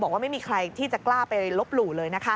บอกว่าไม่มีใครที่จะกล้าไปลบหลู่เลยนะคะ